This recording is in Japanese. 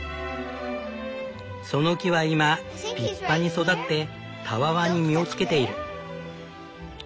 その木は今立派に育ってたわわに実をつけている。